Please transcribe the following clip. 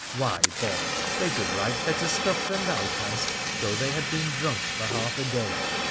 — why, boy, they could write better stuff than thou canst though they had been drunk for half a day